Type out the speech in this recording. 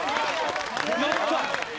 やった。